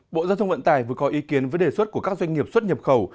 bộ giao thông vận tải vừa có ý kiến với đề xuất của các doanh nghiệp xuất nhập khẩu